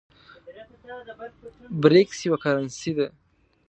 برېکس یوه کرنسۍ ده